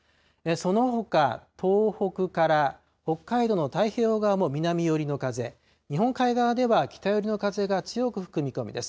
そのほか東北から北海道の太平洋側も南寄りの風、日本海側では北寄りの風が強く吹く見込みです。